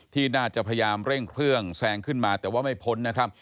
ที่น่าจะพยายามเร่งเครื่องแซงขึ้นมาแต่ว่าไม่พ้นนะครับ